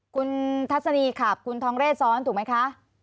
คุณทัศนีขับคุณทองเรศซ้อนถูกไหมคะ